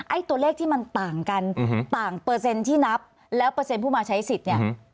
ตัวเลขที่มันต่างกันต่างเปอร์เซ็นต์ที่นับแล้วเปอร์เซ็นต์ผู้มาใช้สิทธิ์เนี่ย